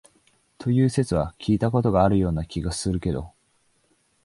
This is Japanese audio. という説は聞いた事があるような気がするけれども、